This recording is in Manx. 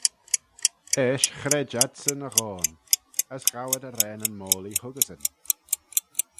Eisht chred adsyn e ghoan: as ghow ad arraneyn-moyllee huggeysyn.